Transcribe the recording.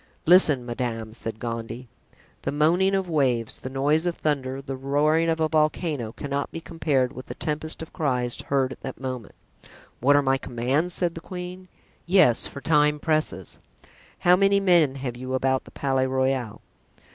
"Listen, madame," said Gondy. The moaning of waves, the noise of thunder, the roaring of a volcano, cannot be compared with the tempest of cries heard at that moment. "What are my commands?" said the queen. "Yes, for time presses." "How many men have you about the Palais Royal?"